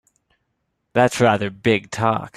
That's rather big talk!